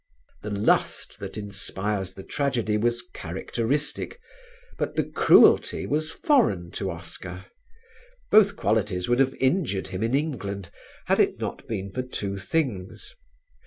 The lust that inspires the tragedy was characteristic, but the cruelty was foreign to Oscar; both qualities would have injured him in England, had it not been for two things.